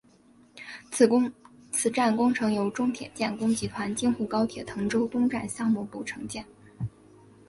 此站工程由中铁建工集团京沪高铁滕州东站项目部承建。